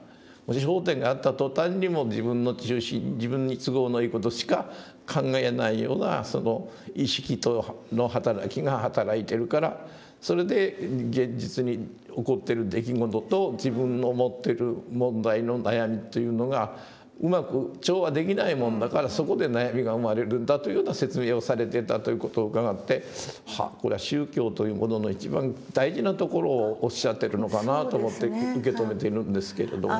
焦点が合った途端にもう自分の中心自分に都合のいい事しか考えないようなその意識の働きが働いてるからそれで現実に起こってる出来事と自分の持ってる問題の悩みというのがうまく調和できないもんだからそこで悩みが生まれるんだというような説明をされてたという事を伺って「はあこれは宗教というものの一番大事なところをおっしゃってるのかな」と思って受け止めているんですけれど。